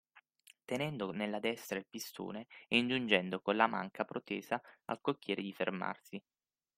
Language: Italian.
Tenendo nella destra il pistone e ingiungendo colla manca protesa al cocchiere di fermarsi.